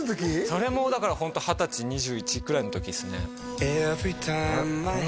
それもうだからホント二十歳２１くらいの時ですねあれ？